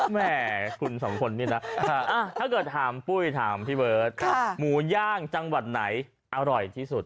แม่คุณสองคนนี้นะถ้าเกิดถามปุ้ยถามพี่เบิร์ตหมูย่างจังหวัดไหนอร่อยที่สุด